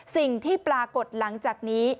สิ่งที่ปรากฏหลังจากนี้